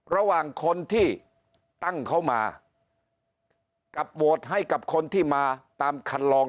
ระหว่างคนที่ตั้งเขามากับโหวตให้กับคนที่มาตามคันลอง